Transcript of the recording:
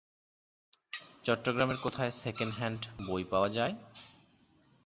চট্টগ্রামের কোথায় second hand বই পাওয়া যায়?